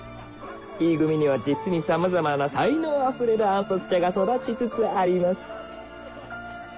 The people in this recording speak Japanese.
Ｅ組には実に様々な才能あふれる暗殺者が育ちつつあります